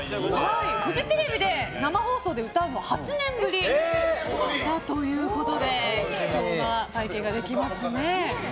フジテレビで生放送で歌うのは８年ぶりだということで貴重な体験ができますね。